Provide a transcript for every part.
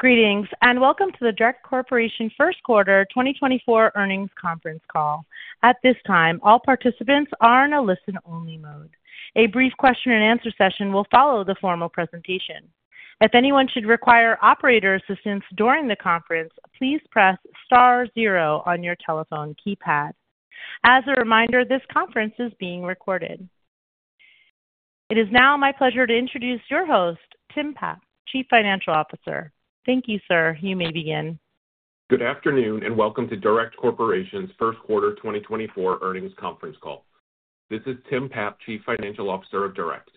Greetings, and welcome to the DURECT Corporation Q1 2024 Earnings Conference Call. At this time, all participants are in a listen-only mode. A brief question and answer session will follow the formal presentation. If anyone should require operator assistance during the conference, please press star zero on your telephone keypad. As a reminder, this conference is being recorded. It is now my pleasure to introduce your host, Tim Papp, Chief Financial Officer. Thank you, sir. You may begin. Good afternoon, and welcome to DURECT Corporation's Q1 2024 Earnings Conference Call. This is Tim Papp, Chief Financial Officer of DURECT.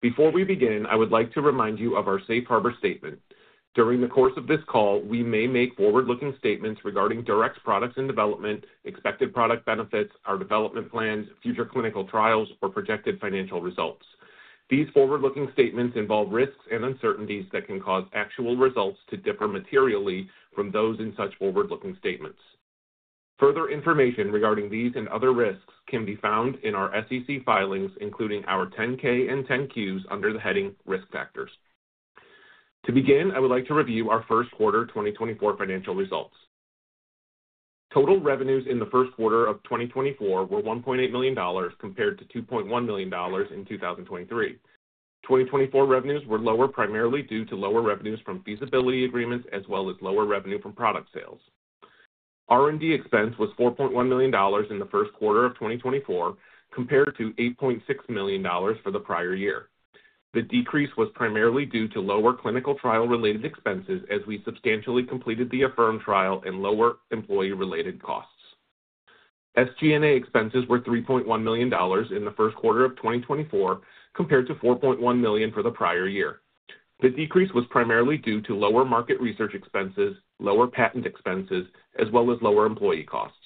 Before we begin, I would like to remind you of our safe harbor statement. During the course of this call, we may make forward-looking statements regarding DURECT's products and development, expected product benefits, our development plans, future clinical trials, or projected financial results. These forward-looking statements involve risks and uncertainties that can cause actual results to differ materially from those in such forward-looking statements. Further information regarding these and other risks can be found in our SEC filings, including our 10-K and 10-Qs, under the heading Risk Factors. To begin, I would like to review our Q1 2024 financial results. Total revenues in the Q1 of 2024 were $1.8 million, compared to $2.1 million in 2023. 2024 revenues were lower, primarily due to lower revenues from feasibility agreements as well as lower revenue from product sales. R&D expense was $4.1 million in the Q1 of 2024, compared to $8.6 million for the prior year. The decrease was primarily due to lower clinical trial-related expenses as we substantially completed the AHFIRM trial and lower employee-related costs. SG&A expenses were $3.1 million in the Q1 of 2024, compared to $4.1 million for the prior year. The decrease was primarily due to lower market research expenses, lower patent expenses, as well as lower employee costs.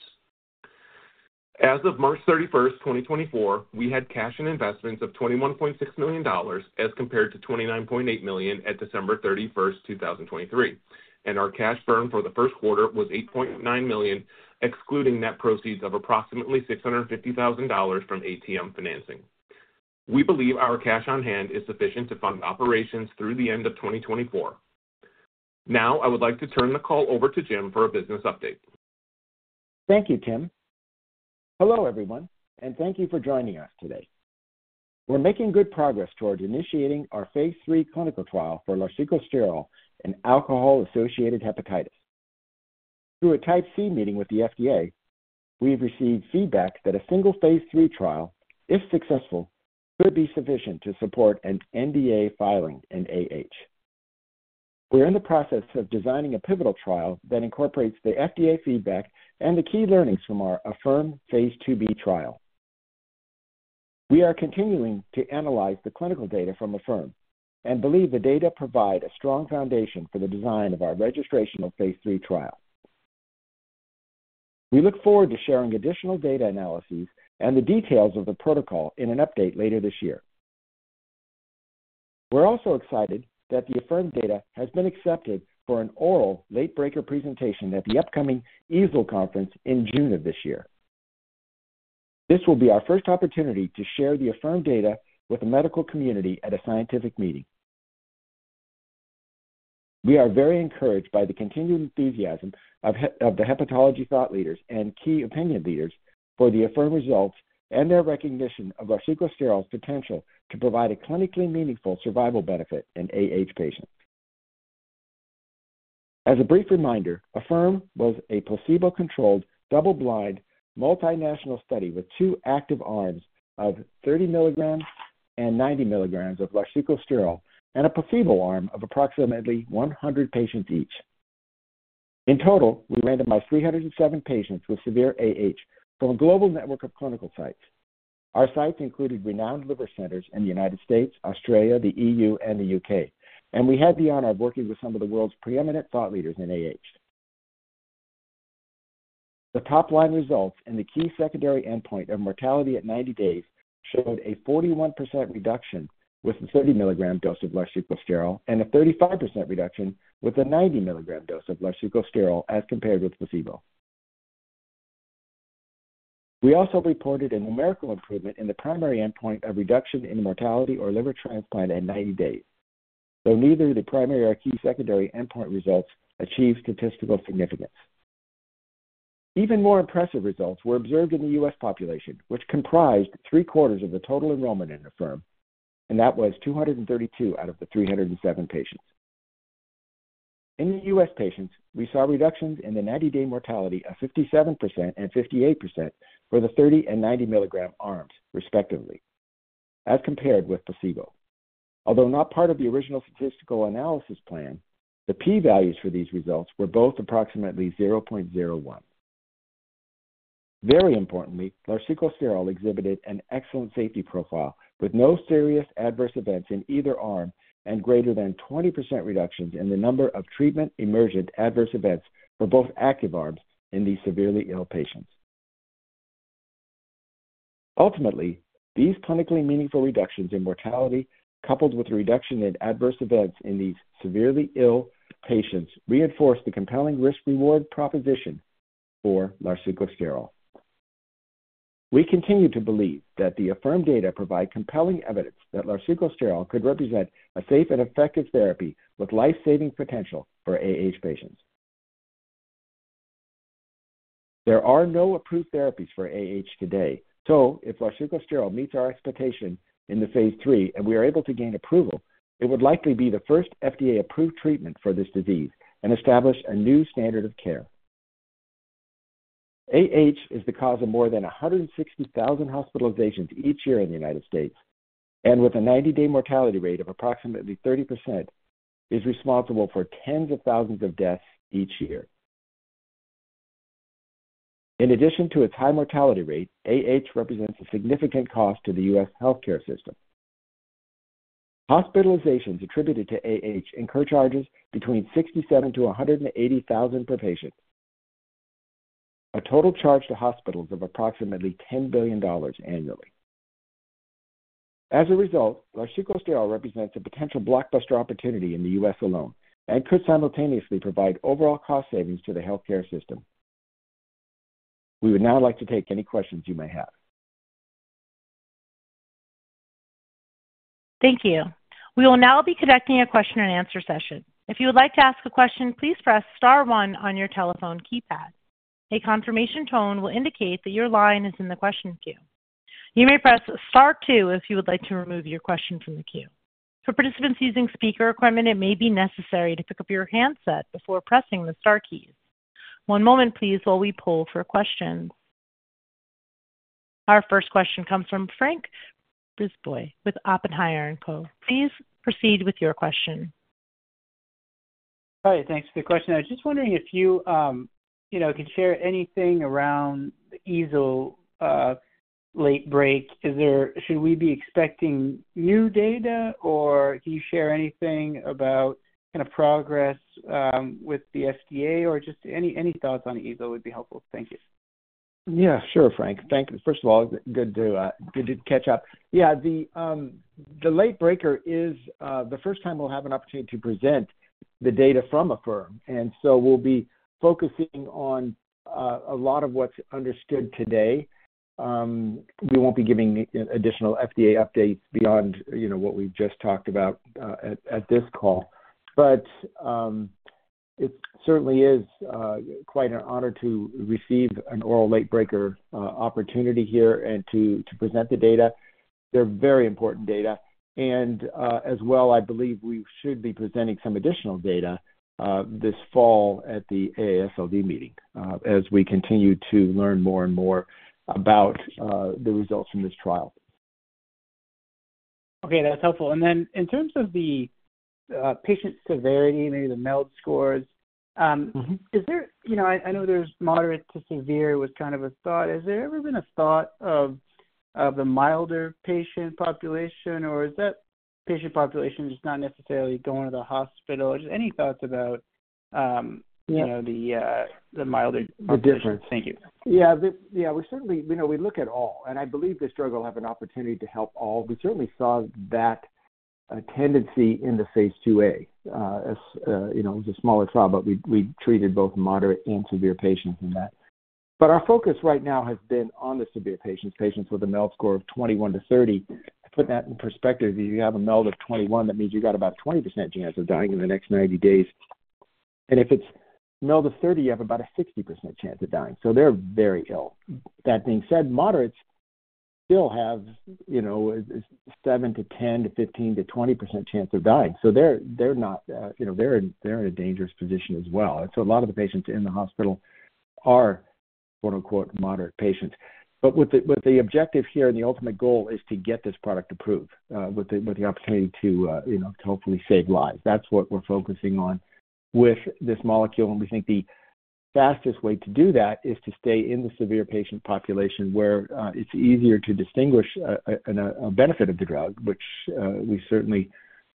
As of March 31, 2024, we had cash and investments of $21.6 million, as compared to $29.8 million at December 31, 2023, and our cash burn for the Q1 was $8.9 million, excluding net proceeds of approximately $650,000 from ATM financing. We believe our cash on hand is sufficient to fund operations through the end of 2024. Now, I would like to turn the call over to Jim for a business update. Thank you, Tim. Hello, everyone, and thank you for joining us today. We're making good progress towards initiating our phase 3 clinical trial for larsucosterol and alcohol-associated hepatitis. Through a Type C meeting with the FDA, we have received feedback that a single phase 3 trial, if successful, could be sufficient to support an NDA filing in AH. We're in the process of designing a pivotal trial that incorporates the FDA feedback and the key learnings from our AHFIRM phase 2b trial. We are continuing to analyze the clinical data from AHFIRM and believe the data provide a strong foundation for the design of our registrational phase 3 trial. We look forward to sharing additional data analyses and the details of the protocol in an update later this year. We're also excited that the AHFIRM data has been accepted for an oral late-breaker presentation at the upcoming EASL conference in June of this year. This will be our first opportunity to share the AHFIRM data with the medical community at a scientific meeting. We are very encouraged by the continued enthusiasm of the hepatology thought leaders and key opinion leaders for the AHFIRM results and their recognition of larsucosterol's potential to provide a clinically meaningful survival benefit in AH patients. As a brief reminder, AHFIRM was a placebo-controlled, double-blind, multinational study with two active arms of 30 mg and 90 mg of larsucosterol and a placebo arm of approximately 100 patients each. In total, we randomized 307 patients with severe AH from a global network of clinical sites. Our sites included renowned liver centers in the United States, Australia, the E.U., and the U.K., and we had the honor of working with some of the world's preeminent thought leaders in AH. The top-line results and the key secondary endpoint of mortality at 90 days showed a 41% reduction with the 30 mg dose of larsucosterol and a 35% reduction with a 90 mg dose of larsucosterol as compared with placebo. We also reported a numerical improvement in the primary endpoint of reduction in mortality or liver transplant at 90 days, though neither the primary or key secondary endpoint results achieved statistical significance. Even more impressive results were observed in the U.S. population, which comprised three-quarters of the total enrollment in AHFIRM, and that was 232 out of the 307 patients. In the U.S. patients, we saw reductions in the 90-day mortality of 57% and 58% for the 30 and 90 mg arms, respectively, as compared with placebo. Although not part of the original statistical analysis plan, the P-values for these results were both approximately 0.01. Very importantly, larsucosterol exhibited an excellent safety profile with no serious adverse events in either arm and greater than 20% reductions in the number of treatment-emergent adverse events for both active arms in these severely ill patients. Ultimately, these clinically meaningful reductions in mortality, coupled with a reduction in adverse events in these severely ill patients, reinforce the compelling risk-reward proposition for larsucosterol. We continue to believe that the AHFIRM data provide compelling evidence that larsucosterol could represent a safe and effective therapy with life-saving potential for AH patients. There are no approved therapies for AH today, so if larsucosterol meets our expectation in the phase 3 and we are able to gain approval, it would likely be the first FDA-approved treatment for this disease and establish a new standard of care. AH is the cause of more than 160,000 hospitalizations each year in the United States, and with a 90-day mortality rate of approximately 30%, is responsible for tens of thousands of deaths each year. In addition to its high mortality rate, AH represents a significant cost to the U.S. healthcare system. Hospitalizations attributed to AH incur charges between $67,000-$180,000 per patient. A total charge to hospitals of approximately $10 billion annually. As a result, larsucosterol represents a potential blockbuster opportunity in the U.S. alone and could simultaneously provide overall cost savings to the healthcare system. We would now like to take any questions you may have. Thank you. We will now be conducting a question and answer session. If you would like to ask a question, please press star one on your telephone keypad. A confirmation tone will indicate that your line is in the question queue. You may press star two if you would like to remove your question from the queue. For participants using speaker equipment, it may be necessary to pick up your handset before pressing the star keys. One moment, please, while we poll for questions. Our first question comes from François Brisebois with Oppenheimer & Co. Please proceed with your question. Hi, thanks for the question. I was just wondering if you, you know, could share anything around the EASL late break. Should we be expecting new data, or can you share anything about kind of progress with the FDA or just any, any thoughts on EASL would be helpful. Thank you. Yeah, sure, Frank. Thank you. First of all, good to catch up. Yeah, the late breaker is the first time we'll have an opportunity to present the data from AHFIRM, and so we'll be focusing on a lot of what's understood today. We won't be giving additional FDA updates beyond, you know, what we've just talked about at this call. But it certainly is quite an honor to receive an oral late breaker opportunity here and to present the data. They're very important data, and as well, I believe we should be presenting some additional data this fall at the AASLD meeting as we continue to learn more and more about the results from this trial. Okay, that's helpful. And then in terms of the patient severity, maybe the MELD scores. Mm-hmm. You know, I, I know there's moderate to severe with kind of a thought. Has there ever been a thought of, of the milder patient population, or is that patient population just not necessarily going to the hospital? Just any thoughts about Yeah. You know, the milder population? The difference. Thank you. Yeah. Yeah, we certainly, you know, we look at all, and I believe this drug will have an opportunity to help all. We certainly saw that tendency in the Phase 2a, as you know, it was a smaller trial, but we treated both moderate and severe patients in that. But our focus right now has been on the severe patients, patients with a MELD score of 21-30. To put that in perspective, if you have a MELD of 21, that means you got about 20% chance of dying in the next 90 days. And if it's MELD of 30, you have about a 60% chance of dying, so they're very ill. That being said, moderates still have, you know, 7% to 10% to 15% to 20% chance of dying. So they're not, you know, they're in a dangerous position as well. And so a lot of the patients in the hospital are quote, unquote, "moderate patients." But the objective here and the ultimate goal is to get this product approved, with the opportunity to, you know, to hopefully save lives. That's what we're focusing on with this molecule, and we think the fastest way to do that is to stay in the severe patient population, where it's easier to distinguish a benefit of the drug, which we certainly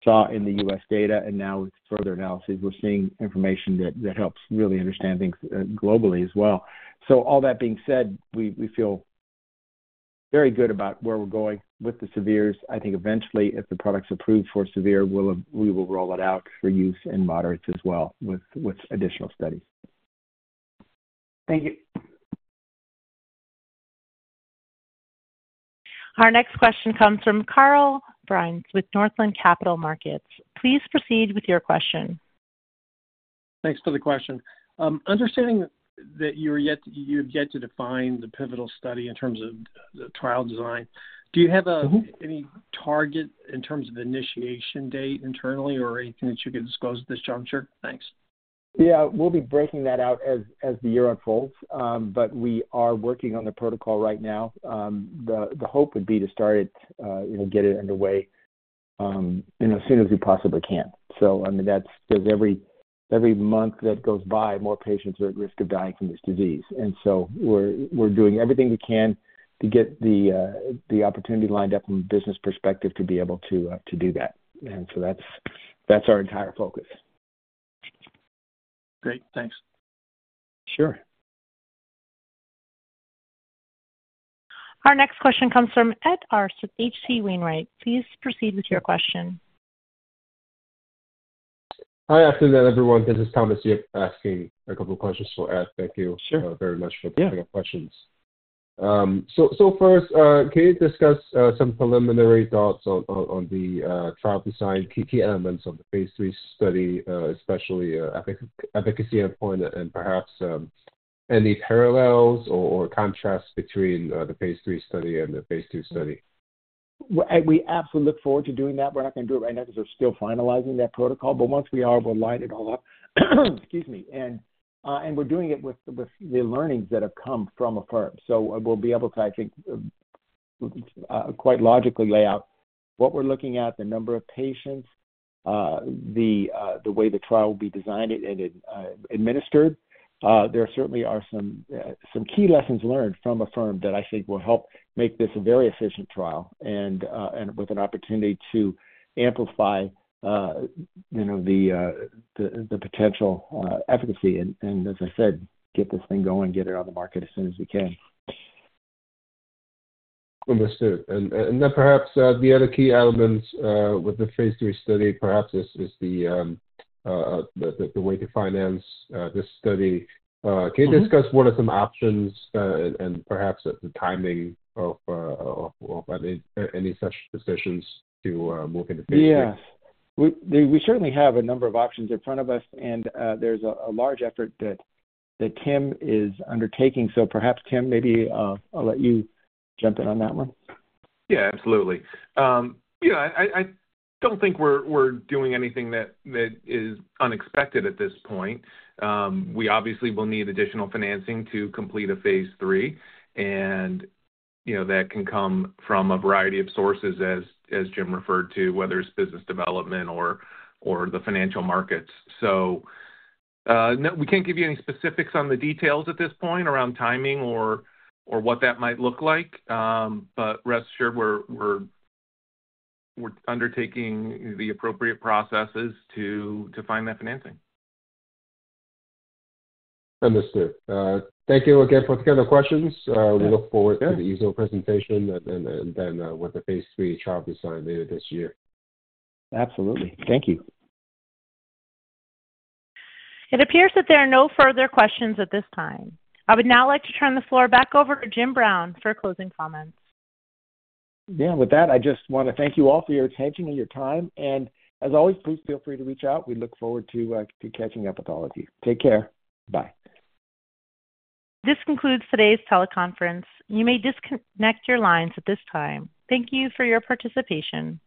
saw in the U.S. data. And now with further analysis, we're seeing information that helps really understand things globally as well. So all that being said, we feel very good about where we're going with the severes. I think eventually, if the product's approved for severe, we will roll it out for use in moderates as well, with additional studies. Thank you. Our next question comes from Carl Byrnes with Northland Capital Markets. Please proceed with your question. Thanks for the question. Understanding that you're yet to, you've yet to define the pivotal study in terms of the trial design, do you have? Mm-hmm Any target in terms of initiation date internally or anything that you could disclose at this juncture? Thanks. Yeah, we'll be breaking that out as the year unfolds, but we are working on the protocol right now. The hope would be to start it, you know, get it underway, you know, as soon as we possibly can. So, I mean, that's there's every month that goes by, more patients are at risk of dying from this disease. And so we're doing everything we can to get the opportunity lined up from a business perspective to be able to to do that. And so that's our entire focus. Great. Thanks. Sure. Our next question comes from Ed Arce of H.C. Wainwright. Please proceed with your question. Hi, afternoon, everyone. This is Thomas Yip asking a couple of questions for Ed. Thank you. Sure. Thank you very much for taking the questions. So first, can you discuss some preliminary thoughts on the trial design, key elements of the Phase 3 study, especially efficacy endpoint, and perhaps any parallels or contrasts between the Phase 3 study and the Phase 2 study? Well, we absolutely look forward to doing that. We're not gonna do it right now because we're still finalizing that protocol. But once we are, we'll light it all up. Excuse me. And we're doing it with the learnings that have come from AHFIRM. So we'll be able to, I think, quite logically lay out what we're looking at the number of patients the way the trial will be designed and administered. There certainly are some key lessons learned from AHFIRM that I think will help make this a very efficient trial and with an opportunity to amplify, you know, the potential efficacy. And as I said, get this thing going get it on the market as soon as we can. Understood. And then perhaps the other key elements with the phase 3 study, perhaps is the way to finance this study. Mm-hmm. Can you discuss what are some options, and perhaps the timing of any such decisions to move into Phase 3? Yeah. We certainly have a number of options in front of us and there's a large effort that Tim is undertaking. So perhaps, Tim, maybe, I'll let you jump in on that one. Yeah, absolutely. Yeah, I don't think we're doing anything that is unexpected at this point. We obviously will need additional financing to complete a Phase 3, and, you know, that can come from a variety of sources as Jim referred to whether it's business development or the financial markets. So, no, we can't give you any specifics on the details at this point around timing or what that might look like. But rest assured we're undertaking the appropriate processes to find that financing. Understood. Thank you again for taking the questions. Yeah. We look forward Yeah To the ease of presentation and what the Phase 3 trial design later this year. Absolutely. Thank you. It appears that there are no further questions at this time. I would now like to turn the floor back over to Jim Brown for closing comments. Yeah. With that, I just want to thank you all for your attention and your time, and as always, please feel free to reach out. We look forward to catching up with all of you. Take care. Bye. This concludes today's teleconference. You may disconnect your lines at this time. Thank you for your participation.